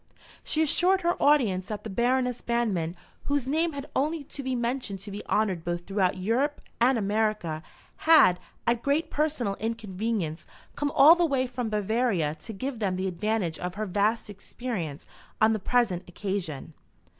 She assured her audience that the Baroness Banmann, whose name had only to be mentioned to be honoured both throughout Europe and America, had, at great personal inconvenience, come all the way from Bavaria to give them the advantage of her vast experience on the present occasion.